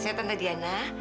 saya tante dianna